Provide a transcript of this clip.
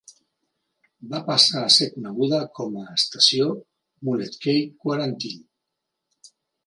Va passar a ser coneguda com a estació Mullet Key Quarantine.